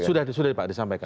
sudah pak disampaikan